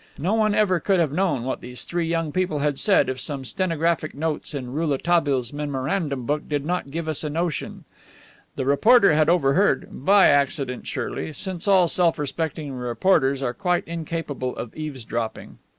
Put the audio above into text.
No one ever could have known what these three young people had said if some stenographic notes in Rouletabille's memorandum book did not give us a notion; the reporter had overheard, by accident surely, since all self respecting reporters are quite incapable of eavesdropping.